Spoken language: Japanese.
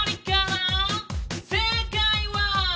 正解は」